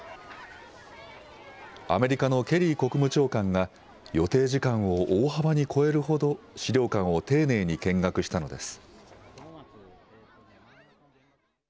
アメリカのケリー国務長官が予定時間を大幅に超えるほど資料館を丁寧に見学したのです。